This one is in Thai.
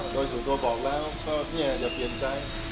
โดยสูตรก็บอกแล้วพี่แนนจะเปลี่ยนใจ